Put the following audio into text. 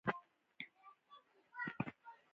روکا وویل: پادري يې په فرانسه کې کوټه قلف کړه.